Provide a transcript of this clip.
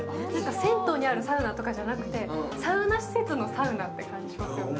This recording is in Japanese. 銭湯にあるサウナとかじゃなくて、サウナ施設のサウナって感じですよね。